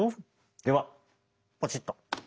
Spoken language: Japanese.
ではポチッと。